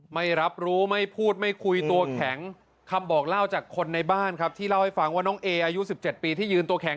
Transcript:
ไม่รับรู้ไม่พูดไม่คุยตัวแข็งคำบอกเล่าจากคนในบ้านครับที่เล่าให้ฟังว่าน้องเออายุ๑๗ปีที่ยืนตัวแข็ง